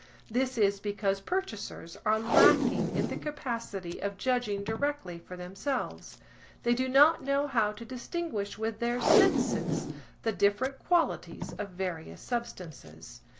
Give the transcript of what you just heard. This is because purchasers are lacking in the capacity of judging directly for themselves. They do not know how to distinguish with their senses the different qualities of various substances.